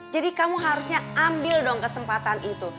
kamu harusnya ambil dong kesempatan itu